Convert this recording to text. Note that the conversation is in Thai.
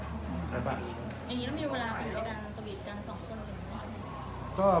อย่างนี้ต้องมีเวลาในการสวีทกันสองคนเหมือนกันไหม